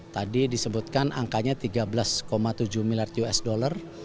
tadi disebutkan angkanya tiga belas tujuh miliar us dollar